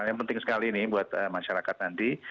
yang penting sekali ini buat masyarakat nanti